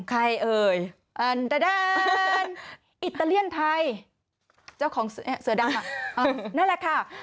ใครเอ่ยอิตาเลียนไทยเจ้าของเสือดังนั่นแหละค่ะ